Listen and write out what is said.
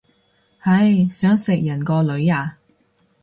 唉，想食人個女啊